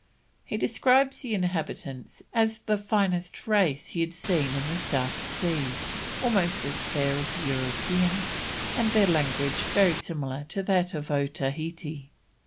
He describes the inhabitants as the finest race he had seen in the South Seas, almost as fair as Europeans, and their language very similar to that of Otaheite.